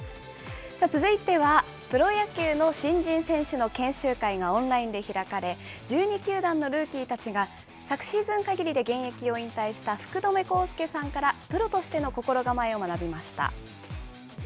続いては、プロ野球の新人選手の研修会がオンラインで開かれ、１２球団のルーキーたちが、昨シーズンかぎりで現役を引退した福留孝介さんから、プロとしての心構えを学びました。